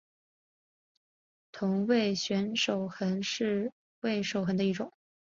同位旋守恒是味守恒的一种。